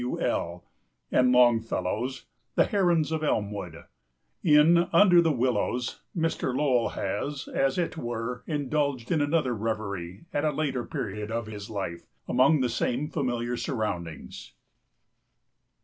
W.L._, and Longfellow's The Herons of Elmwood. In Under the Willows Mr. Lowell has, as it were, indulged in another reverie at a later period of his life, among the same familiar surroundings.